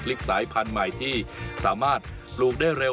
สายพันธุ์ใหม่ที่สามารถปลูกได้เร็ว